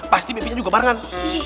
pasti mimpinya juga barengan